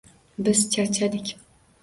Biz charchadik.